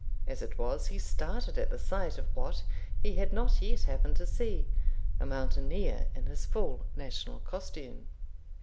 As it was, he started at the sight of what he had not yet happened to see, a mountaineer in his full national costume.